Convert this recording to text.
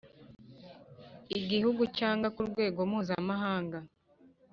igihugu cyangwa ku rwego mpuzamahanga